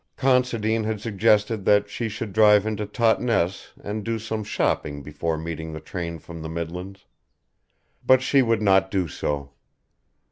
Considine had suggested that she should drive into Totnes and do some shopping before meeting the train from the Midlands, but she would not do so.